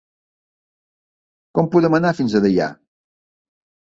Com podem anar fins a Deià?